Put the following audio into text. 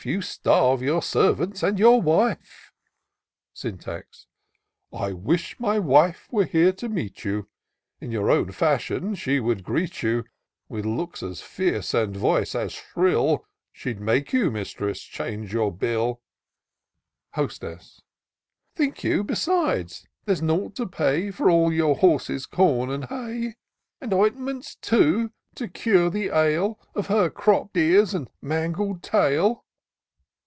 You starve your servants and your wife." Syntax. " I wish my wife were here to meet you, In your own fashion she would greet you : With looks as fierce, and voice as shrill. She'd make you, mistress, change your bill." F 34 TOUR OF DOCTOR SYNTAX Hostess. " Think you besides, there's nought to pay For all your horse's com and hay ? And ointments, too, to cure the ail Of her cropp'd ears and mangled tail?"